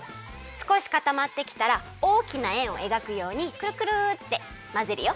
すこしかたまってきたらおおきなえんをえがくようにくるくるってまぜるよ。